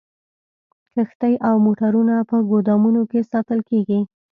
کښتۍ او موټرونه په ګودامونو کې ساتل کیږي